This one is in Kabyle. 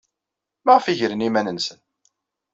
Maɣef ay gren iman-nsen?